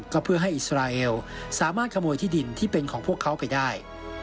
ก็เพื่อให้อิสราเอลสามารถขโมยที่ดินที่เป็นของพวกเขาไปได้